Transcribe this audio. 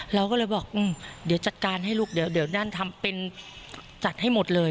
เราก็เลยบอกเดี๋ยวจัดการให้ลูกเดี๋ยวนั่นทำเป็นจัดให้หมดเลย